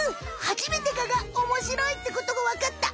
はじめてガがおもしろいってことがわかった！